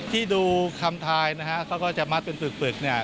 ที่ดูคำทายนะฮะเขาก็จะมัดเป็นปึกเนี่ย